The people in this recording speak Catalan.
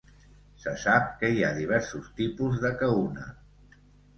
Se sap que hi ha diversos tipus de Kahuna.